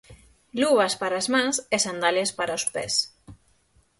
Luvas para as mans e sandalias para os pés.